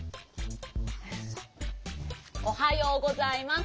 おはようございます。